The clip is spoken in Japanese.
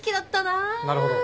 なるほど。